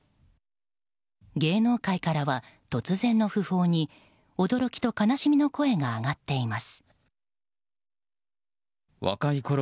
芸能界からは突然の訃報に驚きと悲しみの声が上がっています。